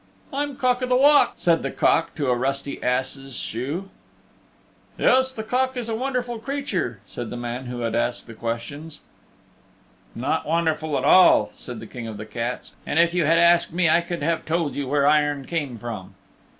"I'm Cock o' the Walk," said the Cock to a rusty ass's shoe. "Yes, the Cock is a wonderful creature," said the man who had asked the question. "Not wonderful at all," said the King of the Cats, "and if you had asked me I could have told you where iron came from."